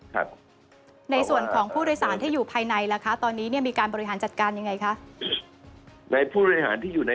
ในส่วนของผู้โดยสารที่อยู่ภายในตอนนี้มีการบริหารจัดการยังไงคะ